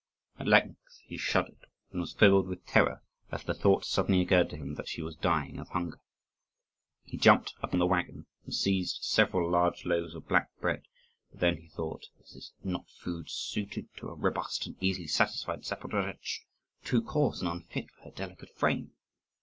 At length he shuddered, and was filled with terror as the thought suddenly occurred to him that she was dying of hunger. He jumped upon the waggon and seized several large loaves of black bread; but then he thought, "Is this not food, suited to a robust and easily satisfied Zaporozhetz, too coarse and unfit for her delicate frame?"